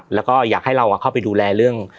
แล้วก็อยากให้เขาไปแม้ดูแลเรื่อง